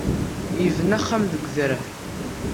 Yebna axxam deg udrar.